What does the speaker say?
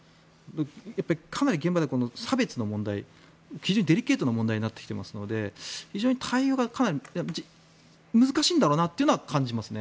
やっぱりかなり現場では差別の問題、非常にデリケートな問題になってきていますので非常に対応が難しいんだろうなという感じはしますね。